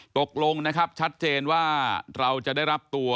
ตกลงนะครับชัดเจนว่าเราจะได้รับตัว